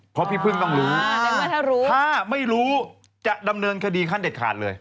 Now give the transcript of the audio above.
เพราะพี่พึ่งต้องรู้ถ้าไม่รู้จะดำเนินคดีขั้นเด็ดขาดเลย